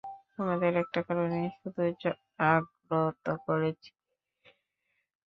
তোমাদের একটা কারণেই শুধু জাগ্রত করেছি!